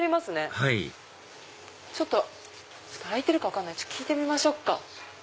はいちょっと開いてるか分かんない聞いてみましょうか。